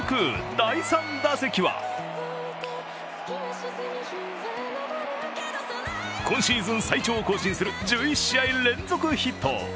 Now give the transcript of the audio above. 第３打席は今シーズン最長を更新する１１試合連続ヒット。